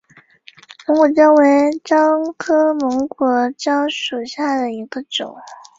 檬果樟为樟科檬果樟属下的一个种。